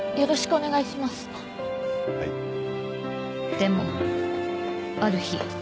でもある日。